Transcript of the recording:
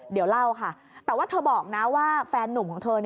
เดี๋ยวเล่าค่ะแต่ว่าเธอบอกนะว่าแฟนนุ่มของเธอ